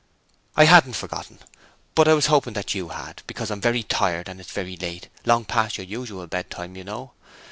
'I hadn't forgotten, but I was hoping that you had, because I'm very tired and it's very late, long past your usual bedtime, you know.